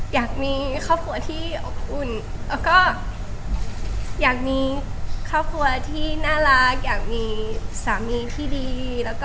อยากมีครอบครัวที่อบอุ่นแล้วก็อยากมีครอบครัวที่น่ารักอยากมีสามีที่ดี